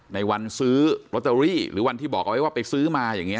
ในวันซื้อลอตเตอรี่หรือวันที่บอกเอาไว้ว่าไปซื้อมาอย่างนี้